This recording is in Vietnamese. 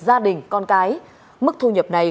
gia đình con cái mức thu nhập này